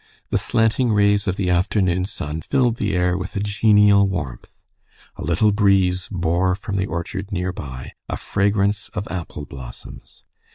The slanting rays of the afternoon sun filled the air with a genial warmth. A little breeze bore from the orchard near by a fragrance of apple blossoms.